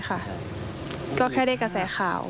ใช่ค่ะก็แค่ได้กระแสข่าว